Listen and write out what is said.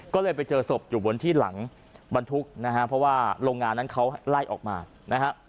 ก็เลยไปเจอศพอยู่บนที่หลังบรรทุกนะฮะเพราะว่าโรงงานนั้นเขาไล่ออกมานะฮะ